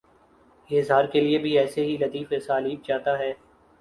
یہ اظہار کے لیے بھی ایسے ہی لطیف اسالیب چاہتا ہے۔